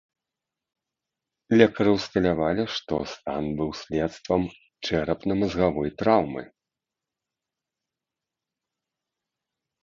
Лекары ўсталявалі, што стан быў следствам чэрапна-мазгавой траўмы.